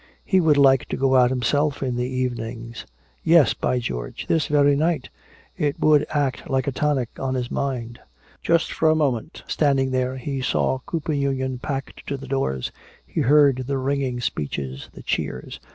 He would like to go out himself in the evenings yes, by George, this very night it would act like a tonic on his mind. Just for a moment, standing there, he saw Cooper Union packed to the doors, he heard the ringing speeches, the cheers.